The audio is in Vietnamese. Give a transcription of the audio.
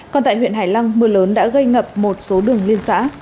còn tại huyện hải lăng mưa lớn đã gây ngập một số đường liên xã